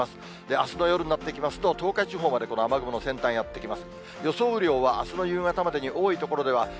あすの夜になってきますと、東海地方まで、この雨雲の先端やって来ます。